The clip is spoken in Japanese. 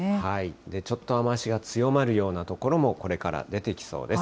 ちょっと雨足が強まるような所もこれから出てきそうです。